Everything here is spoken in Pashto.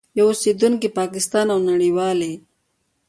یو اوسېدونکی پاکستان او نړیوالي